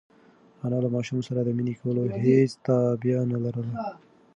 انا له ماشوم سره د مینې کولو هېڅ تابیا نهلري.